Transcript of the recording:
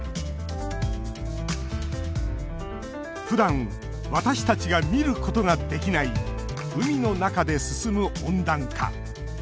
ふだん私たちが見ることができない海の中で進む温暖化。